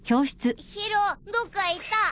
宙どっか行った。